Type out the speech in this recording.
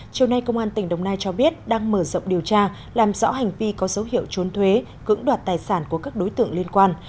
chiều nay công an tỉnh đồng nai cho biết đang mở rộng điều tra làm rõ hành vi có dấu hiệu trốn thuế cưỡng đoạt tài sản của các đối tượng liên quan